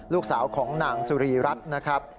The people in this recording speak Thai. ลูกสาวของนางสุรีรัตน์